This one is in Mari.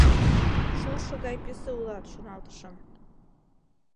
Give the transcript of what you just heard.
«Шуршо гай писе улат, — шоналтышым.